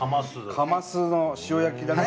カマスの塩焼きだね。